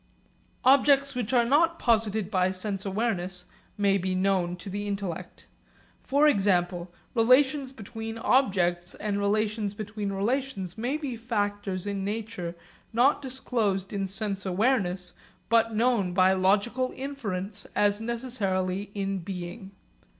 Objects which are not posited by sense awareness may be known to the intellect. For example, relations between objects and relations between relations may be factors in nature not disclosed in sense awareness but known by logical inference as necessarily in being.